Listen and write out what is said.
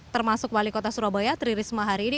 termasuk wali kota surabaya tririsma hari ini